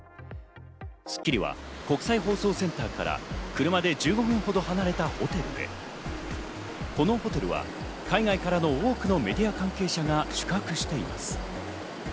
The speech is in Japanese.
『スッキリ』は国際放送センターから車で１５分ほど離れたホテルで、このホテルは海外からの多くのメディア関係者が宿泊しています。